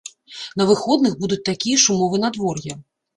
На выходных будуць такія ж умовы надвор'я.